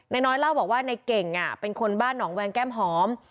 นายน้อยเล่าบอกว่าในเก่งเป็นคนบ้านหนองแวงแก้มหอม